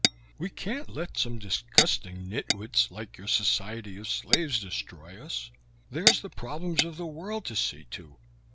We can't like some disgusting nitwits like your Society of Slaves destroy us. There's the problems of the world to see to.